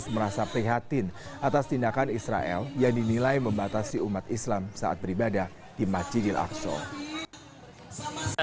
merasa prihatin atas tindakan israel yang dinilai membatasi umat islam saat beribadah di masjidil aqsa